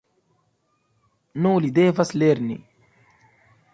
Nu li devas lerni!